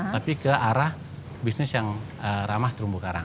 tapi ke arah bisnis yang ramah terumbu karang